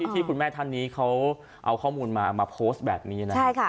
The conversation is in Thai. ที่คุณแม่ท่านนี้เขาเอาข้อมูลมาเอามาโพสต์แบบนี้นะ